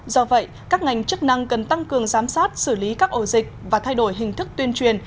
do vậy các ngành chức năng cần tăng cường giám sát xử lý các ổ dịch và thay đổi hình thức tuyên truyền